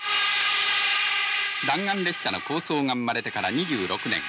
弾丸列車の構想が生まれてから２６年。